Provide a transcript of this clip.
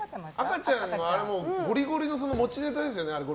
赤ちゃんは、ゴルゴさんのゴリゴリの持ちネタですよね。